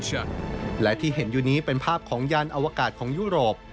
และที่เห็นอยู่นี้เป็นภาพของยานอวกาศของยุโรป